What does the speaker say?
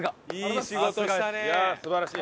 いや素晴らしい。